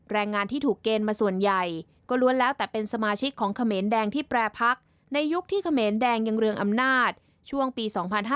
แรงงานที่ถูกเกณฑ์มาส่วนใหญ่ก็ล้วนแล้วแต่เป็นสมาชิกของเขมรแดงที่แปรพักในยุคที่เขมรแดงยังเรืองอำนาจช่วงปี๒๕๕๙